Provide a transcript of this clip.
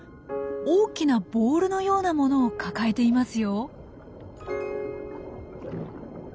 大きなボールのようなものを抱えていますよ。